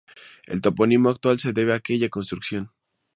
El topónimo actual se debe a aquella construcción.